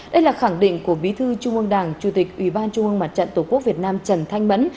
đây là khẳng định của bí thư trung ương đảng chủ tịch ủy ban trung ương mặt trận tổ quốc việt nam trần thanh mẫn